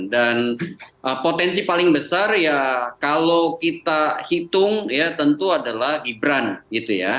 dan potensi paling besar ya kalau kita hitung ya tentu adalah gibran gitu ya